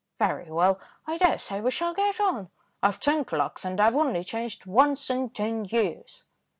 "Very well, I daresay we shall get on. I've ten clerks, and I've only changed once in ten years."